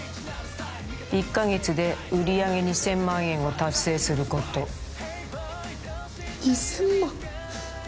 １ヶ月で売上２０００万円を達成すること２０００万！？